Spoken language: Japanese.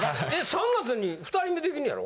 ３月に２人目できんねやろ？